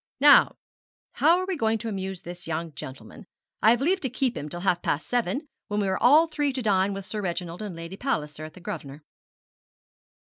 Now, how are we going to amuse this young gentleman? I have leave to keep him till half past seven, when we are all three to dine with Sir Reginald and Lady Palliser at the Grosvenor.'